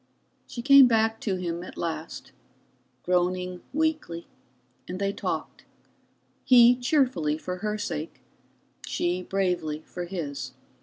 She came back to him at last, groaning weakly, and they talked, he cheerfully for her sake, she bravely for his.